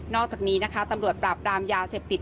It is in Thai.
อกจากนี้นะคะตำรวจปราบรามยาเสพติด